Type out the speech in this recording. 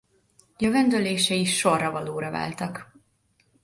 Jövendölései sorra valóra váltak.